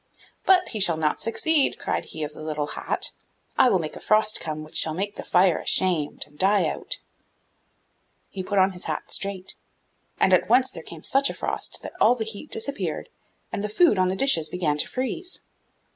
'But he shall not succeed,' cried he of the little hat, 'I will make a frost come which shall make the fire ashamed and die out!' So he put his hat on straight, and at once there came such a frost that all the heat disappeared and the food on the dishes began to freeze.